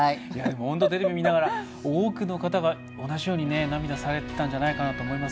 テレビを見ながら多くの方が同じように涙されてたんじゃないかなと思います。